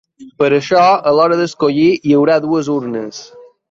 Per això a l’hora d’escollir hi haurà dues urnes.